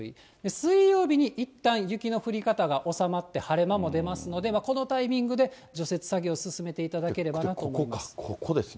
水曜日にいったん雪の降り方が収まって、晴れ間も出ますので、このタイミングで除雪作業を進めていただければなと思います。